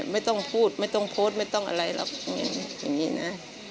ไม่ต้องพูดไม่ต้องโพสต์ไม่ต้องอะไรหรอกอย่างนี้นะ